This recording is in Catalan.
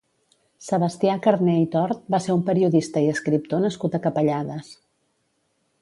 Sebastià Carner i Tort va ser un periodista i escriptor nascut a Capellades.